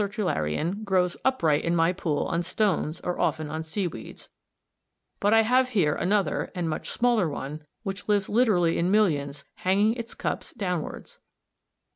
_] This special sertularian grows upright in my pool on stones or often on seaweeds, but I have here (Fig. 67) another and much smaller one which lives literally in millions hanging its cups downwards.